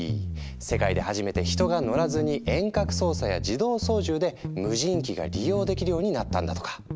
世界で初めて人が乗らずに遠隔操作や自動操縦で無人機が利用できるようになったんだとか。